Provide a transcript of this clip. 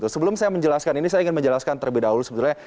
sebelum saya menjelaskan ini saya ingin menjelaskan terlebih dahulu sebetulnya